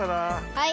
はい。